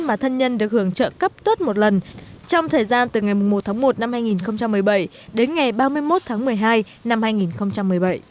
mà thân nhân được hưởng trợ cấp tuất một lần trong thời gian từ ngày một tháng một năm hai nghìn một mươi bảy đến ngày ba mươi một tháng một mươi hai năm hai nghìn một mươi bảy